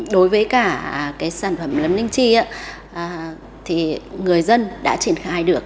đối với cả cái sản phẩm nấm ninh chi thì người dân đã triển khai được